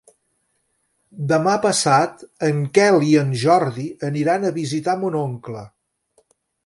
Demà passat en Quel i en Jordi aniran a visitar mon oncle.